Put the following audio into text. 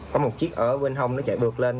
có một chiếc ở bên hông nó chạy được lên